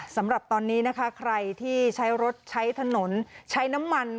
สำหรับตอนนี้นะคะใครที่ใช้รถใช้ถนนใช้น้ำมัน